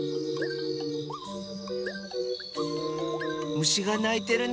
むしがないてるね。